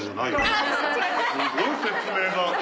すごい説明が。